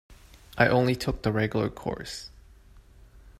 ‘I only took the regular course.’